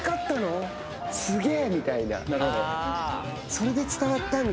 それで伝わったんだ？